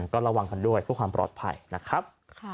ก็ระวังกันด้วยเพื่อความปลอดภัยนะครับ